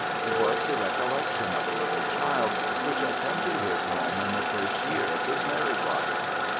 It was the recollection of a little child which had come to his home in the first year of his married life.